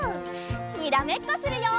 にらめっこするよ！